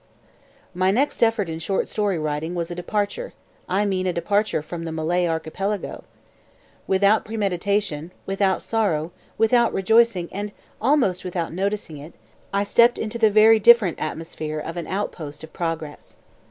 My next effort in short story writing was a departure I mean a departure from the Malay Archipelago. Without premeditation, without sorrow, without rejoicing, and almost without noticing it, I stepped into the very different atmosphere of An Outpost of Progress.